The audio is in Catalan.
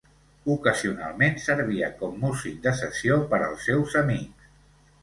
Ocasionalment servia com músic de sessió per als seus amics.